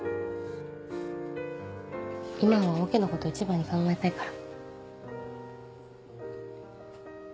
今はオケのこと一番に考えたいから。